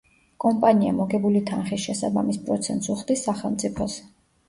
კომპანია მოგებული თანხის შესაბამის პროცენტს უხდის სახელმწიფოს.